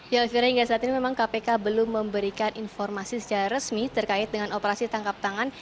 ya elvira hingga saat ini memang kpk belum memberikan informasi secara resmi terkait dengan operasi tangkap tangan